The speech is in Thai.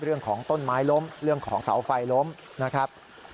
เรื่องของต้นไม้ล้มเรื่องของเสาไฟล้มนะครับ